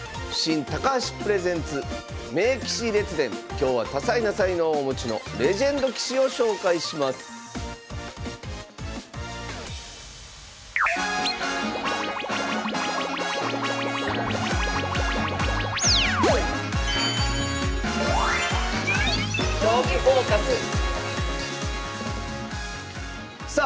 今日は多彩な才能をお持ちのレジェンド棋士を紹介しますさあ